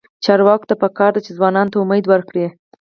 چارواکو ته پکار ده چې، ځوانانو ته امید ورکړي.